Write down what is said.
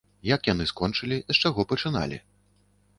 Як яны скончылі, з чаго пачыналі?